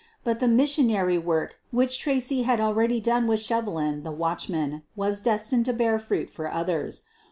But the missionary work which Tracy had already done with Shevelin, the watchman, was destined to bear fruit for others.